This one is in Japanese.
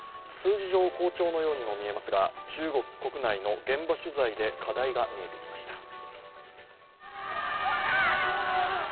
数字上、好調のようにも見えますが中国国内の現場取材で課題が見えてきました。